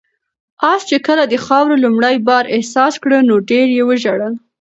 آس چې کله د خاورو لومړی بار احساس کړ نو ډېر یې وژړل.